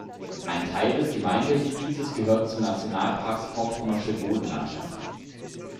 Ein Teil des Gemeindegebietes gehört zum Nationalparks Vorpommersche Boddenlandschaft.